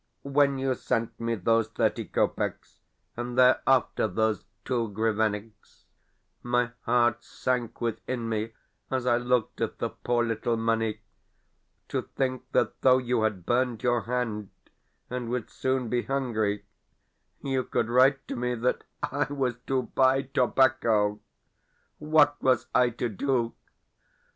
When you sent me those thirty kopecks, and thereafter those two grivenniks, my heart sank within me as I looked at the poor little money. To think that though you had burned your hand, and would soon be hungry, you could write to me that I was to buy tobacco! What was I to do?